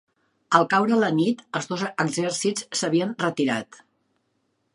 Al caure la nit, els dos exèrcits s'havien retirat.